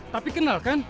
tapi kenal kan